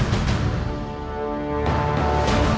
ya ini udah berakhir